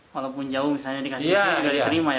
walaupun jauh misalnya dikasih juga diterima ya